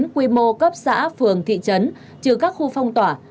quy mô cấp xã phường thị trấn trừ các khu phong tỏa